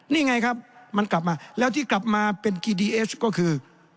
นี่ไงครับมันกลับมาแล้วที่กลับมาเป็นกีดีเอสก็คือ